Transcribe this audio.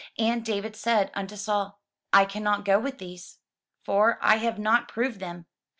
And David said unto Saul, "I cannot go with these; for I have not proved them."